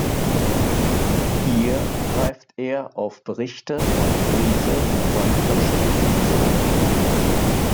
Hier greift er auf Berichte und Briefe von Verschütteten zurück.